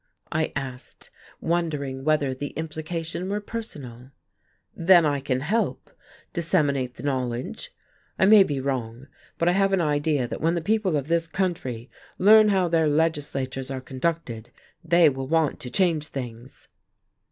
I asked, wondering whether the implication were personal. "Then I can help disseminate the knowledge. I may be wrong, but I have an idea that when the people of this country learn how their legislatures are conducted they will want to change things."